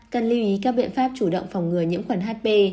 cần lưu ý các biện pháp chủ động phòng ngừa nhiễm khuẩn hp